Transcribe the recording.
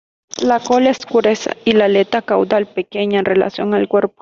La cola es gruesa y la aleta caudal pequeña en relación al cuerpo.